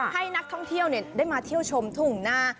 ให้นักท่องเที่ยวได้มาเที่ยวชมทุ่งหน้า